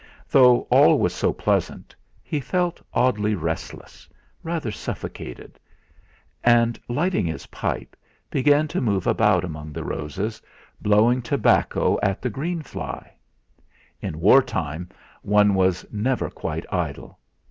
Though all was so pleasant, he felt oddly restless, rather suffocated; and lighting his pipe, began to move about among the roses, blowing tobacco at the greenfly; in war time one was never quite idle!